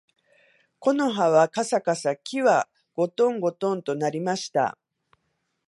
木の葉はかさかさ、木はごとんごとんと鳴りました